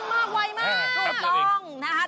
อุ้ยตื่นเต้นมากไวมากใช่ครับ